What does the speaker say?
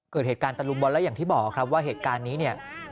เกิดเหตุการณ์ตะลุมบอลแล้วอย่างที่บอกครับว่าเหตุการณ์นี้เนี่ย